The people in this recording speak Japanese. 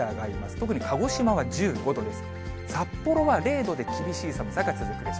特に鹿児島は１５度です。